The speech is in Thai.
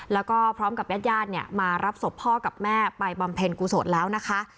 แล้วก็พร้อมกับญาติญาติเนี่ยมารับศพพ่อกับแม่ไปบำเพ็ญกุศลแล้วนะคะ